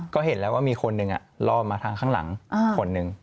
ก็เห็นแล้วว่ามีคนหนึ่งล่อมาทางข้างหลังคนหนึ่ง